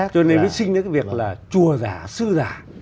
cho nên sinh ra cái việc là chùa giả sư giả